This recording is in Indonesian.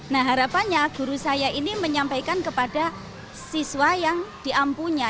nah harapannya guru saya ini menyampaikan kepada siswa yang diampunya